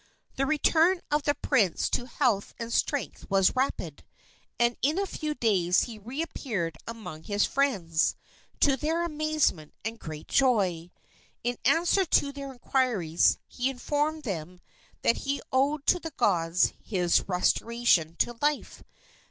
The return of the prince to health and strength was rapid, and in a few days he reappeared among his friends, to their amazement and great joy. In answer to their inquiries he informed them that he owed to the gods his restoration to life.